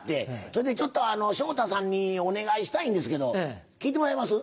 それでちょっと昇太さんにお願いしたいんですけど聞いてもらえます？